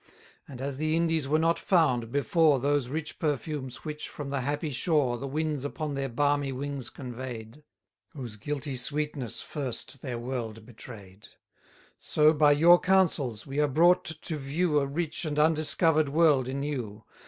And as the Indies were not found, before Those rich perfumes, which, from the happy shore, The winds upon their balmy wings convey'd, Whose guilty sweetness first their world betray'd; So by your counsels we are brought to view A rich and undiscover'd world in you.